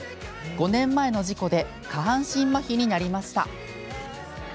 ５年前の事故で下半身まひになりました。